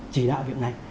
chỉ đạo viện này